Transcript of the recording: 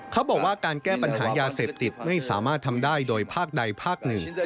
เขาบอกว่าการแก้ปัญหายาเสพติดไม่สามารถทำได้โดยภาคใดภาคหนึ่ง